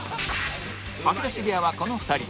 吐き出し部屋はこの２人